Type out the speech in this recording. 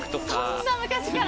そんな昔から？